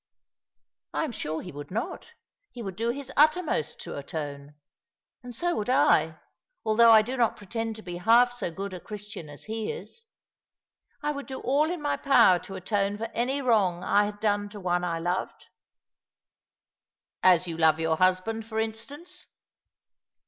" I am sure he would not. He would do his uttermost to atone. And so would I— although I do not pretend to be half so good a Christian as he is. I would do all in my power to atone for any wrong I had done to one I loved." " As you love your husband, for instance."